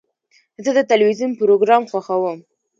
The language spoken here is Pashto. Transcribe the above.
زه د تلویزیون پروګرام خوښوم.